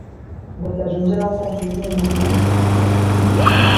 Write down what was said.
Veți ajunge la o concluzie în iunie?